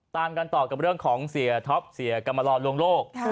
ตามกันต่อกับเรื่องของเสียท็อปเสียกรรมลอลลวงโลก